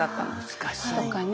難しい。とかね